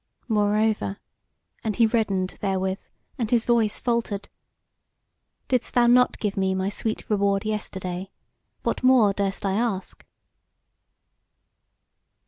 Moreover" (and he reddened therewith, and his voice faltered), "didst thou not give me my sweet reward yesterday? What more durst I ask?"